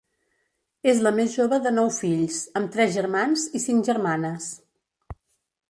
És la més jove de nou fills, amb tres germans i cinc germanes.